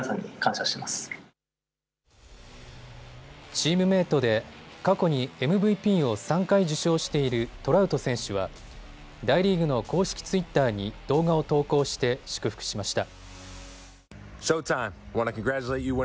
チームメートで過去にＭＶＰを３回受賞しているトラウト選手は大リーグの公式ツイッターに動画を投稿して祝福しました。